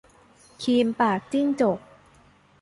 คีมปากจิ้งจก